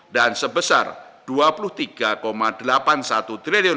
dan sebesar rp dua puluh tiga delapan puluh satu triliun